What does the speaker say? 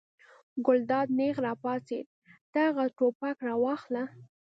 ګلداد نېغ را پاڅېد: ته هغه ټوپک راواخله.